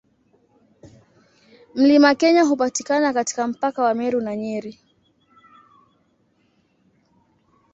Mlima Kenya hupatikana katika mpaka wa Meru na Nyeri.